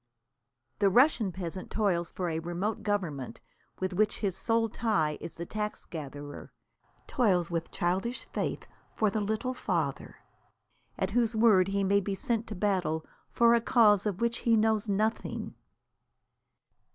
The Russian peasant toils for a remote government, with which his sole tie is the tax gatherer; toils with childish faith for The Little Father, at whose word he may be sent to battle for a cause of which he knows nothing.